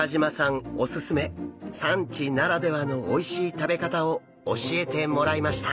おすすめ産地ならではのおいしい食べ方を教えてもらいました。